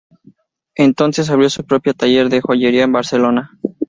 Entonces abrió su propio taller de joyería en Barcelona.